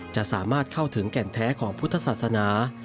จะสามารถเข้าถึงแก่นแท้ของพุทธศาสนา